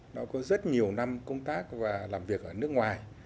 đã có rất nhiều năm công tác và làm việc ở nước ngoài